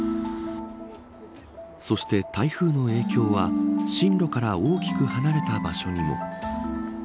そして台風の影響は進路から大きく離れた場所にも。